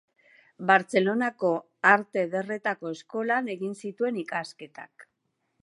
Bartzelonako Arte Ederretako Eskolan egin zituen ikasketak.